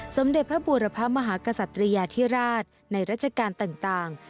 สมเด็จพระบูรพมหากษัตริยาธิราชในราชการต่าง